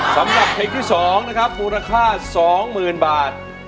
สำหรับเผ็ดที่สองนะครับมูลค่าสองหมื่นบาท